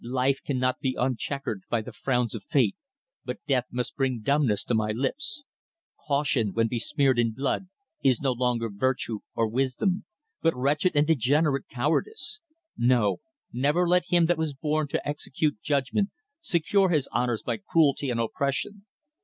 "Life cannot be unchequered by the frowns of fate, but death must bring dumbness to my lips. Caution, when besmeared in blood, is no longer virtue, or wisdom, but wretched and degenerate cowardice; no, never let him that was born to execute judgment secure his honours by cruelty and oppression.